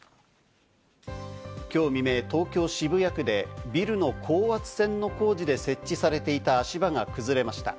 今日未明、東京・渋谷区でビルの高圧線の工事で設置されていた足場が崩れました。